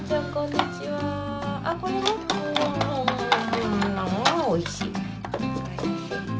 あおいしい。